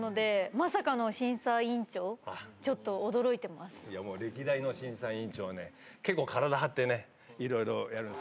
まさかの審査委員長、ちょっと驚いやもう、歴代の審査委員長ね、結構、体張ってね、いろいろやるんです。